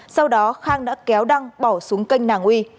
sau đó khang đã kéo đăng bỏ xuống kênh nàng uy